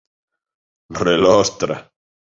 Relostra.